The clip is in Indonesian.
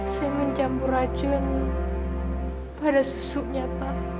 saya mencampur racun pada susunya pak